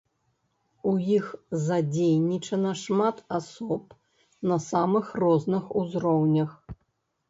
У іх задзейнічана шмат асоб, на самых розных узроўнях.